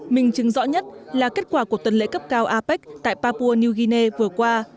mình chứng rõ nhất là kết quả của tuần lễ cấp cao apec tại papua new guinea vừa qua